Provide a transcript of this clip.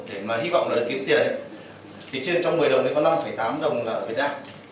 để mà hy vọng là được kiếm tiền thì trên trong một mươi đồng mới có năm tám đồng là ở việt nam